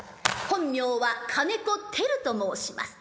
本名は金子テルと申します。